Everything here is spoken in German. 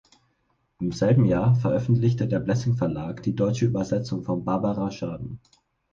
Im selben Jahr veröffentlichte der Blessing Verlag die deutsche Übersetzung von Barbara Schaden.